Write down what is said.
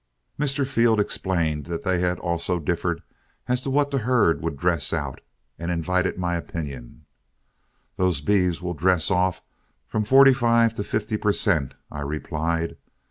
Mr. Field explained that they had also differed as to what the herd would dress out, and invited my opinion. "Those beeves will dress off from forty five to fifty per cent.," I replied.